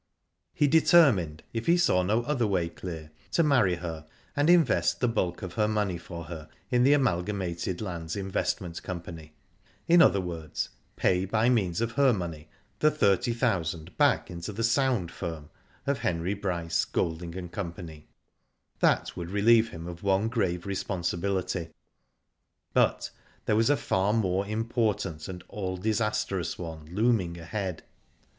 He determined, if he saw no other way clear, to marry her, and invest the bulk of her money for her in the Amalgamated Linds Investment Company — in other words, pay by means of her money the thirty thousand back into the sound firm of Henry Bryce, Golding and Co. That would relieve him of one grave respon sibility, but there was a far more important and all disastrous one looming ahead.